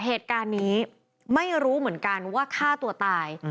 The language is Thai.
เหตุการณ์นี้ไม่รู้เหมือนกันว่าฆ่าตัวตาย